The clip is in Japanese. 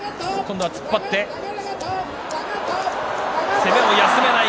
攻めを休まない。